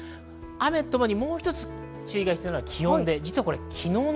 もう一つ注意が必要なのは気温です。